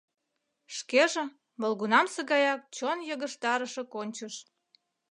Шкеже – молгунамсе гаяк чон йыгыжтарыше кончыш.